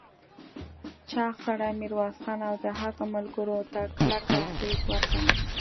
چاغ سړي ميرويس خان او د هغه ملګرو ته کلکه غېږ ورکړه.